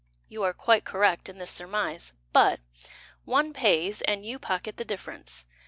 You are quite correct in this surmise. But One pays, And you pocket the difference.